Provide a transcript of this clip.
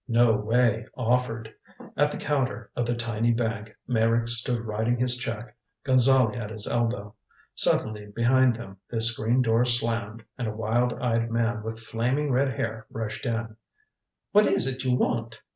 No way offered. At the counter of the tiny bank Meyrick stood writing his check, Gonzale at his elbow. Suddenly behind them the screen door slammed, and a wild eyed man with flaming red hair rushed in. "What is it you want?"